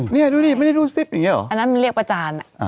เนี่ยดูดิไม่ได้รู้ซิปอย่างเงี้ยเหรออันนั้นมันเรียกประจานอ่ะอ่า